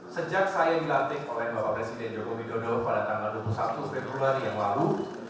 sejak saya dilantik oleh bapak presiden joko widodo pada tanggal dua puluh satu februari yang lalu